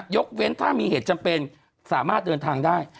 ยกเว้นถ้ามีเหตุจำเป็นสามารถเดินทางได้